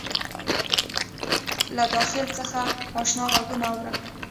له داخل څخه آشنا غــږونه اورم